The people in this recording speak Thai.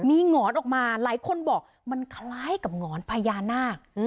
มีหงอนออกมาหลายคนบอกมันคล้ายกับหงอนพญานาค